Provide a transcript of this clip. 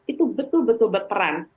itu betul betul berperan